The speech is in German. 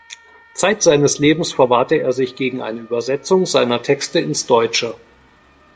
Zeit seines Lebens verwahrte er sich gegen eine Übersetzung seiner Texte ins Deutsche.